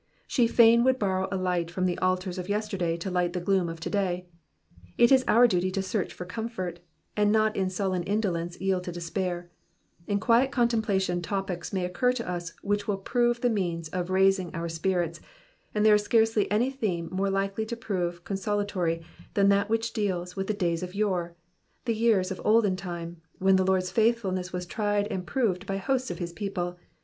She fain would borrow a light from the altars of yesterday to light the gloom of to day. It is our duty to search for comfort, and not in sullen indolence yield to despair ; in quiet contemplation topics may occur to us which will prove the means of raising our spirits, and there is scarcely any themq more likely to prove con solatory than that which deals with the days of yore, the years of the olden time, when the Lord's faithfulness was tried and proved by hosts of his people.